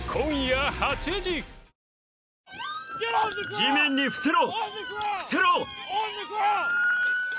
地面に伏せろ！